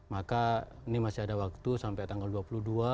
maka ini masih ada waktu sampai tanggal dua puluh dua